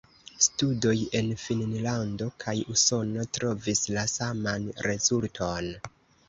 Studoj en Finnlando kaj Usono trovis la saman rezulton.